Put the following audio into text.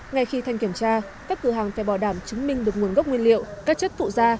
ngay khi thanh kiểm tra các cửa hàng phải bỏ đảm chứng minh được nguồn gốc nguyên liệu các chất phụ da